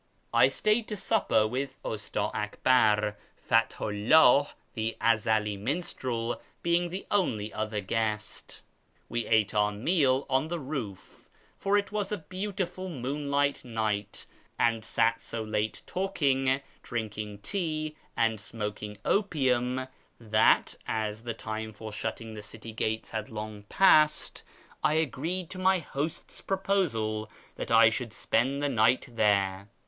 I stayed to supper with Usta Akbar, Fathu 'Ihih, the Ezeli minstrel, being the only other guest. We ate our meal on the roof (for it was a beautiful moonlight night), and sat so late talking, drinking tea, and smoking opium, that, as the time for shutting the city gates had long passed, I agreed to ray host's proposal that I should spend the night there.